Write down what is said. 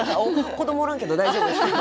子どもおらんけど大丈夫ですか？